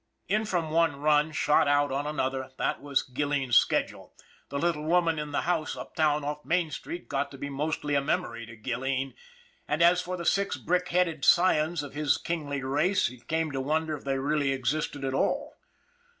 In from one run, shot out on another that was Gilleen's schedule. The little woman in the little house uptown off Main street got to be mostly a memory to Gilleen, and as for the six brick headed scions of his kingly race he came to wonder if they really existed at all.